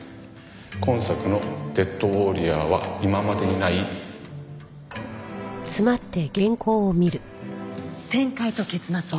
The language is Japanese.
「今作の『デッドウォーリア』は今までにない」「展開と結末を」。